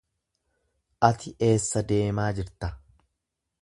Ati eessa deemaa jirta?